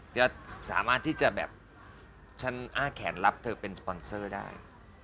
จะสามารถที่จะแบบฉันอ้าแขนรับเธอเป็นสปอนเซอร์ได้